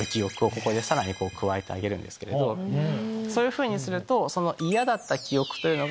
そういうふうにすると。